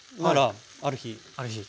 ある日。